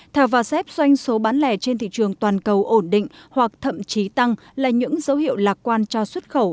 theo vasep doanh số bán lẻ trên thị trường toàn cầu ổn định hoặc thậm chí tăng là những dấu hiệu lạc quan cho xuất khẩu